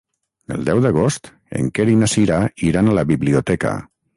El deu d'agost en Quer i na Cira iran a la biblioteca.